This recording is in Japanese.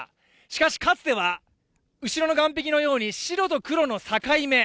しかしかつては後ろの岸壁のように白と黒の境目